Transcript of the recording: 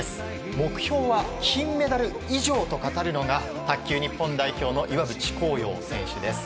目標は金メダル以上と語るのは卓球日本代表の岩渕幸洋選手です。